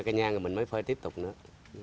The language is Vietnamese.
ra cái nhang rồi mình mới phơi tiếp tục nữa